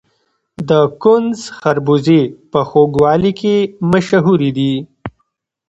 د کندز خربوزې په خوږوالي کې مشهورې دي.